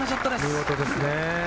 見事ですね。